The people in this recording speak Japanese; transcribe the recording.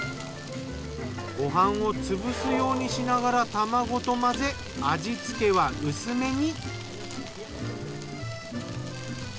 ご飯を潰すようにしながら卵と混ぜ味付けは薄めに。